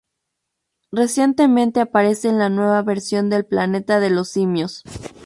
Recientemente aparece en la nueva versión del "Planeta de los Simios".